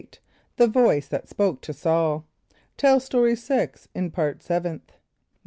The Voice that Spoke to Saul. (Tell Story 6 in Part Seventh.)